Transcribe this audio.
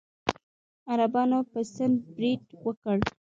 عربانو په سند برید وکړ.